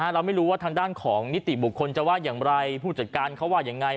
เราไม่รู้ว่าทางด้านของนิติบุคคลจะว่าอย่างไรผู้จัดการเขาว่ายังไง